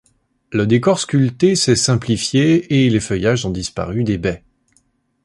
Le décor sculpté s'est simplifié et les feuillages ont disparu des baies.